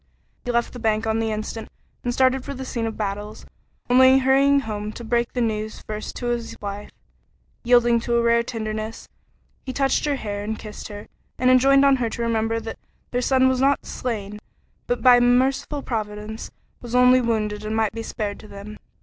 He left the bank on the instant and started for the scene of battles, only hurrying home to break the news first to his wife. Yielding to a rare tenderness, he touched her hair as he kissed her, and enjoined on her to remember that their son was not slain, but by a merciful Providence was only wounded and might be spared to them.